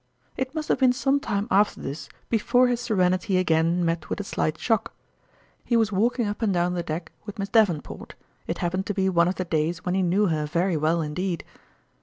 It must have been some time after this before his serenity again met with a slight shock : he was walking up and down the deck with Miss Davenport it happened to be one of the days when he knew her very well indeed.